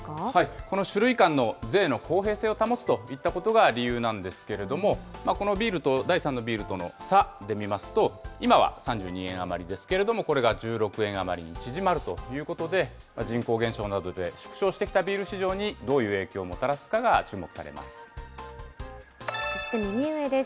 この酒類間の税の公平性を保つといったことが理由なんですけれども、このビールと第３のビールとの差で見ますと、今は３２円余りですけれども、これが１６円余りに縮まるということで、人口減少などで縮小してきたビール市場にどういう影響をもたらすかがそして右上です。